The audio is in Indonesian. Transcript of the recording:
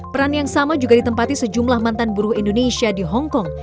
peran yang sama juga ditempati sejumlah mantan buruh indonesia di hongkong